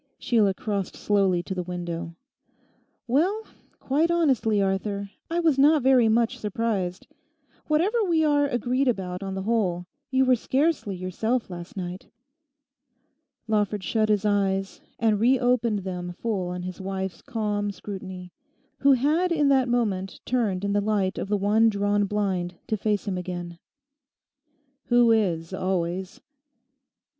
Sheila crossed slowly to the window. 'Well, quite honestly, Arthur, I was not very much surprised. Whatever we are agreed about on the whole, you were scarcely yourself last night.' Lawford shut his eyes, and re opened them full on his wife's calm scrutiny, who had in that moment turned in the light of the one drawn blind to face him again. 'Who is? Always?